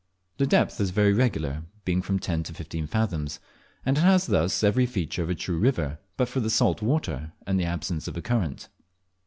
The depth is very regular, being from ten to fifteen fathoms, and it has thus every feature of a true river, but for the salt water and the absence of a current.